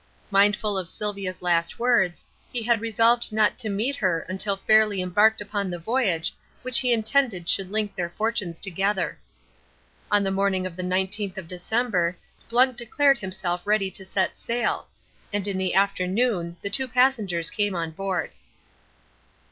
Mindful of Sylvia's last words, he had resolved not to meet her until fairly embarked upon the voyage which he intended should link their fortunes together. On the morning of the 19th December, Blunt declared himself ready to set sail, and in the afternoon the two passengers came on board.